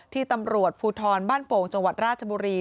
ที่ตำรวจภูทรบ้านโป่งจังหวัดราชบุรี